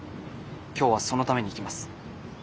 今日はそのために行きます。